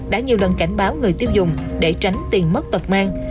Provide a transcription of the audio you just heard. đã nhiều lần cảnh báo người tiêu dùng để tránh tiền mất tật mang